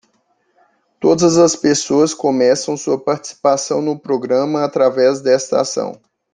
Todas as pessoas começam sua participação no programa através desta ação.